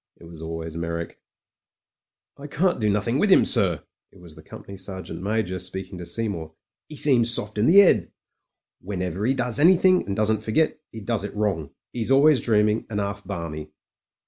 It was always Meyrick, ... "I can't do nothing with 'im, sir/* It was the Com pany Sergeant Major speaking to Seymour. " 'E seems soft like in the 'ead. Whenever 'e does do any thing and doesn't forget, 'e does it wrong. 'E's always dreaming and 'alf balmy."